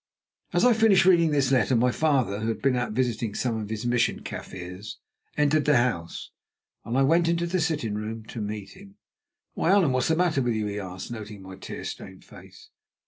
As I finished reading this letter my father, who had been out visiting some of his Mission Kaffirs, entered the house, and I went into the sitting room to meet him. "Why, Allan, what is the matter with you?" he asked, noting my tear stained face.